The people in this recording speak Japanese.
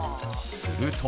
すると。